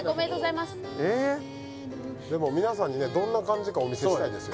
でも皆さんにねどんな感じかお見せしたいですよ